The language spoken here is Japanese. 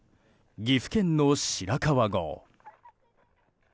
岐阜県の白川郷。